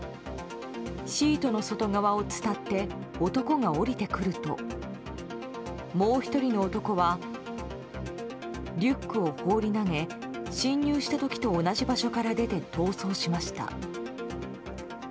シートの外側を伝って男が降りてくるともう１人の男はリュックを放り投げ侵入した時と同じ場所から出て逃走しました。